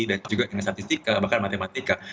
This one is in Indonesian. dan juga dengan statistika bahkan matematika